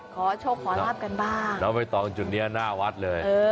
ขอโชคขอรับกันบ้างแล้วไม่ต้องจุดนี้หน้าวัดเลย